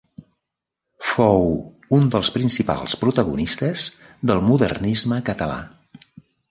Fou un dels principals protagonistes del Modernisme català.